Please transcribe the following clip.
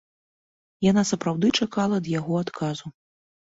Яна сапраўды чакала ад яго адказу.